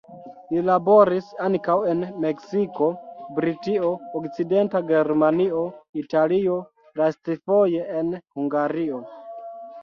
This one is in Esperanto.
Li laboris ankaŭ en Meksiko, Britio, Okcidenta Germanio, Italio, lastfoje en Hungario.